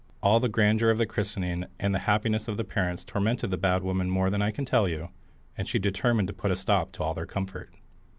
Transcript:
All the grandeur of the christening and the happiness of the parents tormented the bad woman more than I can tell you, and she determined to put a stop to all their comfort.